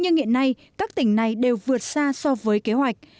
như hiện nay các tỉnh này đều vượt xa so với kế hoạch